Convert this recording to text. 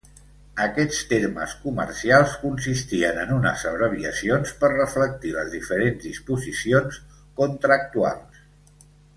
Aquests termes comercials consistien en unes abreviacions per reflectir les diferents disposicions contractuals.